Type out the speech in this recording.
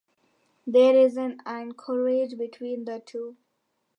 There is an anchorage between the two.